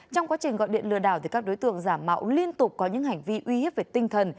trong quá trình gọi điện lừa đảo các đối tượng giả mạo liên tục có những hành vi uy hiếp về tinh thần